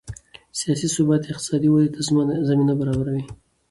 سیاسي ثبات اقتصادي ودې ته زمینه برابروي